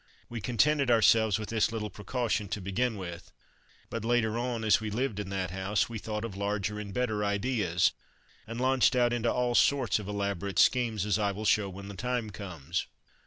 We contented ourselves with this little precaution to begin with, but later on, as we lived in that house, we thought of larger and better ideas, and launched out into all sorts of elaborate schemes, as I will show when the time comes.